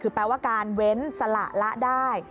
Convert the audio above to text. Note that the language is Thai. คือแปลว่าการเว้นสละละได้